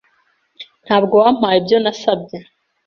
Ntabwo wampaye ibyo nasabye.